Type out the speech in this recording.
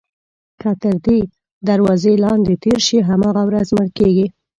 که تر دې دروازې لاندې تېر شي هماغه ورځ مړ کېږي.